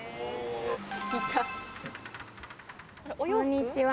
こんにちは。